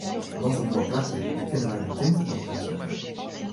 Wat in moai plakje, dêr kinne wy de tinte wol delsette.